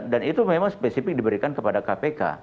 dan itu memang spesifik diberikan kepada kpk